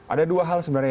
ada dua hal sebenarnya